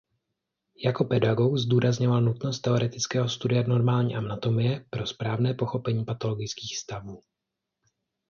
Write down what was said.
Jako pedagog zdůrazňoval nutnost teoretického studia normální anatomie pro správné pochopení patologických stavů.